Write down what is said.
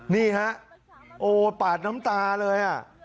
นี่ฮะโอ้ปาดน้ำตาเลย